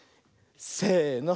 せの。